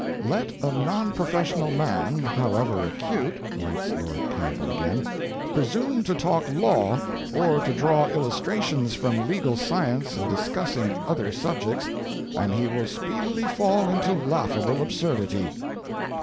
"Let a non professional man, however acute," writes Lord Campbell again, "presume to talk law, or to draw illustrations from legal science in discussing other subjects, and he will speedily fall into laughable absurdity."